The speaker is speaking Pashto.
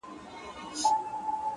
شراب لس خُمه راکړه، غم په سېلاب راکه،